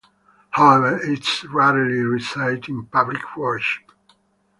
However, it is rarely recited in public worship.